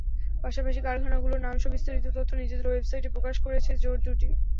পাশাপাশি কারখানাগুলোর নামসহ বিস্তারিত তথ্য নিজেদের ওয়েবসাইটে প্রকাশ করেছে জোট দুটি।